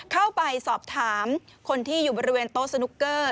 เข้าไปสอบถามคนที่อยู่บริเวณโต๊ะสนุกเกอร์